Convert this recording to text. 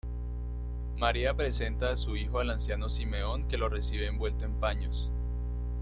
María presenta a su hijo al anciano Simeón que lo recibe envuelto en paños.